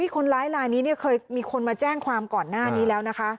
คนร้ายลายนี้เคยมีคนมาแจ้งความก่อนหน้านี้แล้วนะคะ